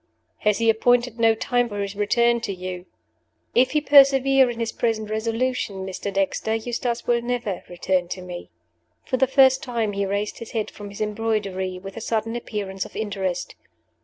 "Has he appointed no time for his return to you?" "If he persevere in his present resolution, Mr. Dexter, Eustace will never return to me." For the first time he raised his head from his embroidery with a sudden appearance of interest.